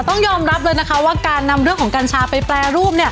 ต้องยอมรับเลยนะคะว่าการนำเรื่องของกัญชาไปแปรรูปเนี่ย